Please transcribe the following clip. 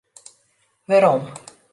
Werom.